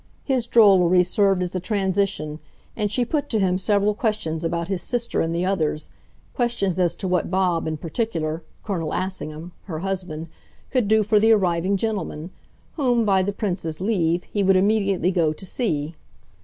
His drollery served as a transition, and she put to him several questions about his sister and the others, questions as to what Bob, in particular, Colonel Assingham, her husband, could do for the arriving gentlemen, whom, by the Prince's leave, he would immediately go to see.